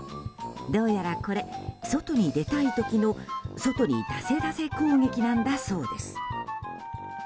どうやらこれ、外に出たい時の外に出せ出せ攻撃なんだそうです。